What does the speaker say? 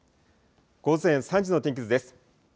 午前３時の天気図です。